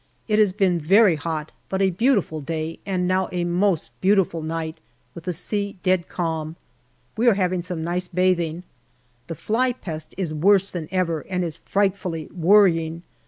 It has been very hot, but a beautiful day, and is now a most beautiful night, with the sea dead calm. We are having some nice bathing. The fly pest is worse than ever, and is frightfully worrying.